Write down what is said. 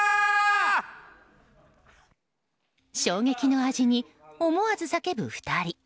衝撃の味に思わず叫ぶ２人。